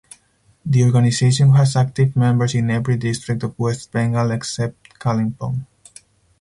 The organisation has active members in every district of West Bengal except Kalimpong.